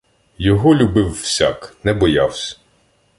Його любив всяк — не боявсь.